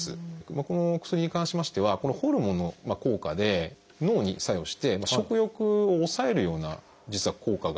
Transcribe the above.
この薬に関しましてはホルモンの効果で脳に作用して食欲を抑えるような実は効果が出るんです。